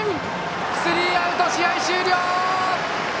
スリーアウト、試合終了！